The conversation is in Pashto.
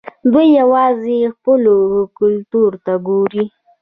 دوی یوازې خپلو ګټو ته ګوري.